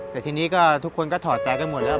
แต่ทีนี้ก็ทุกคนก็ถอดใจกันหมดแล้ว